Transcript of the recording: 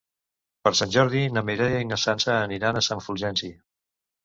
Per Sant Jordi na Mireia i na Sança aniran a Sant Fulgenci.